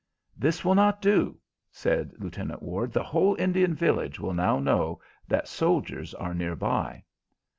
"This will not do," said Lieutenant Ward; "the whole Indian village will now know that soldiers are near by."